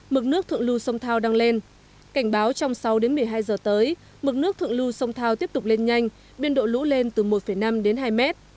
mực nước thượng lũ sông thao đang lên cảnh báo trong sáu đến một mươi hai h tới mực nước thượng lũ sông thao tiếp tục lên nhanh biên độ lũ lên từ một năm đến hai m